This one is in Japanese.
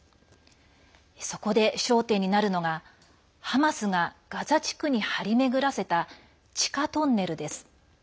そこで焦点になるのがハマスがガザ地区に張り巡らせた地下トンネルです。